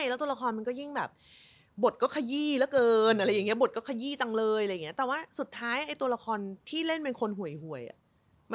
แล้วตัวละครมันก็ยิ่งเป็นทวิกเกอร์ด้วยป่ะ